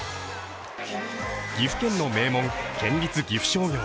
岐阜県の名門、県立岐阜商業。